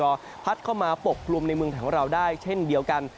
เป็นกรพัดเข้ามาปกปรุงในเมืองแถวเราได้เช่นเดียวกัน